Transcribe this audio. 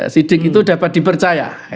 sidik itu dapat dipercaya